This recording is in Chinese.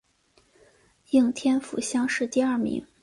应天府乡试第二名。